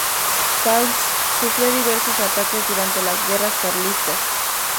Pauls sufrió diversos ataques durante las guerras carlistas.